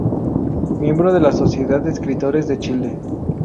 Miembro de la Sociedad de Escritores de Chile.